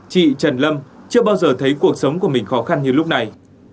chị trần lâm chưa bao giờ thấy cuộc sống của mình khó khăn như lúc này